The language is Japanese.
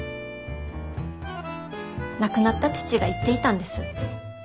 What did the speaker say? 亡くなった父が言っていたんです。